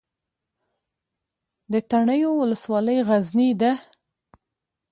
د تڼیو ولسوالۍ غرنۍ ده